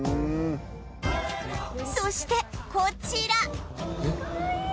そしてこちら